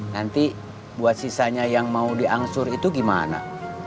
nanti buat sisanya yang mau diangsur itu gimana